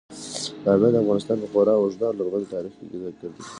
بامیان د افغانستان په خورا اوږده او لرغوني تاریخ کې ذکر دی.